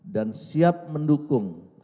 dan siap mendukung